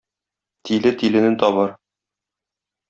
Тиле тилене табар.